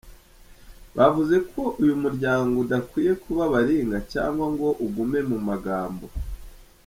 Bavuze ko uyu muryango udakwiye kuba baringa cyangwa ngo ugume mu magambo.